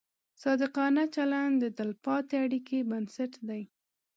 صادقانه چلند د تلپاتې اړیکې بنسټ دی.